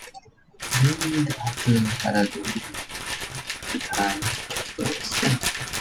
Named after Valladolid, at the time the capital of Spain.